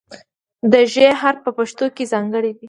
د "ژ" حرف په پښتو کې ځانګړی دی.